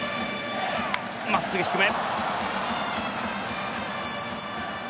真っすぐ低め。